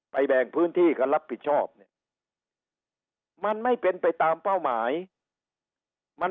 แบ่งพื้นที่กันรับผิดชอบเนี่ยมันไม่เป็นไปตามเป้าหมายมัน